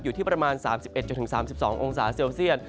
อยู่ที่ประมาณ๓๑๓๒องศาเซลเซียต